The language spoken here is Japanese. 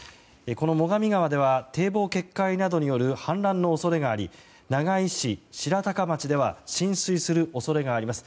この最上川では堤防決壊などによる氾濫の恐れがあり長井市、白鷹町では浸水する恐れがあります。